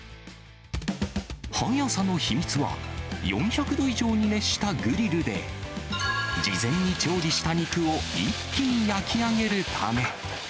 早さの秘密は、４００度以上に熱したグリルで、事前に調理した肉を一気に焼き上げるため。